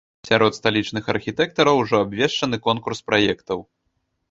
Сярод сталічных архітэктараў ужо абвешчаны конкурс праектаў.